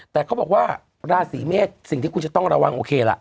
แต่เขาบอกว่าราศีเมษสิ่งที่คุณจะต้องระวังโอเคล่ะ